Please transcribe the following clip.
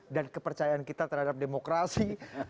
dan kepercayaan kita terhadap demokrasi